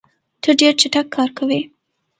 ته ډېر چټک کار کوې.